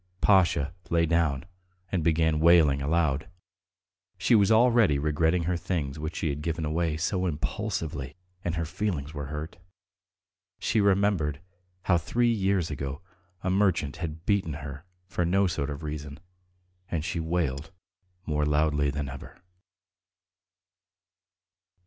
Pasha lay down and began wailing aloud. She was already regretting her things which she had given away so impulsively, and her feelings were hurt. She remembered how three years ago a merchant had beaten her for no sort of reason, and she wailed more loudly than ever.